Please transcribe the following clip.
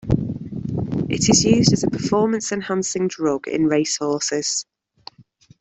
It is used as a performance-enhancing drug in race horses.